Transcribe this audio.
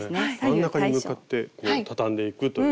真ん中に向かってたたんでいくという。